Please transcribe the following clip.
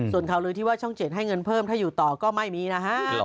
ส่วนข่าวลือที่ว่าช่อง๗ให้เงินเพิ่มถ้าอยู่ต่อก็ไม่มีนะฮะ